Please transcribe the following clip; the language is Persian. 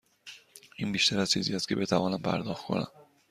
این بیشتر از چیزی است که بتوانم پرداخت کنم.